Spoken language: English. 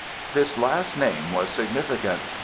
This last name was significant.